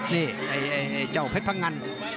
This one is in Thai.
นี่เจ้าเพชรพังงัน